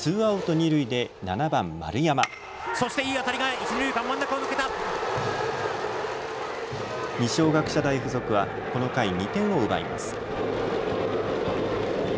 二松学舎大付属は、この回２点を奪います。